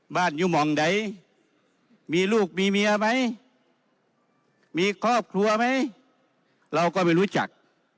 บ้านอยู่มองไหนมีลูกมีเมียไหมมีครอบครัวไหมเราก็ไม่รู้จัก